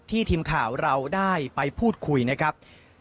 ทีมข่าวเราได้ไปพูดคุยนะครับ